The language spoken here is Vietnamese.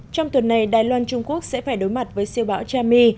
trong tuần này đài loan trung quốc sẽ phải đối mặt với siêu bão chami